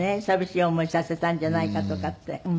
寂しい思いさせたんじゃないかとかって。